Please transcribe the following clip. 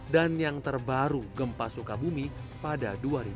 dan yang terbaru gempa sukabumi pada dua ribu satu